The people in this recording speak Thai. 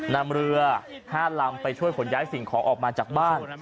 นำเรือ๕ลำไปช่วยขนย้ายสิ่งของออกมาจากบ้าน